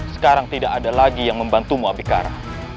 sekarang tidak ada lagi yang membantumu abikara